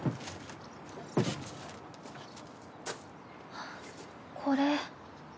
あっこれ。